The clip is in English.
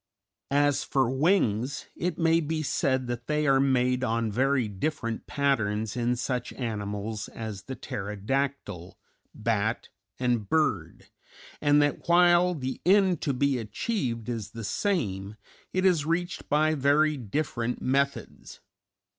As for wings, it may be said that they are made on very different patterns in such animals as the pterodactyl, bat, and bird, and that while the end to be achieved is the same, it is reached by very different methods.